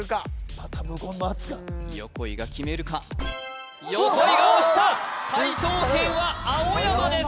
また無言の圧が横井が決めるか横井が押した解答権は青山です